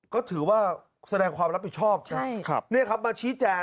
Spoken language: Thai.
ก็ถือว่าแสดงความรับผิดชอบจ้ะนี่ครับมาชี้แจน